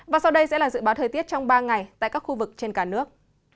và sau đây sẽ là dự báo thời tiết trong ba ngày tại các khu vực trên cả nước